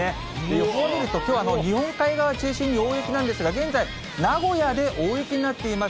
予報を見ると、きょうは日本海側を中心に大雪なんですが、現在、名古屋で大雪になっています。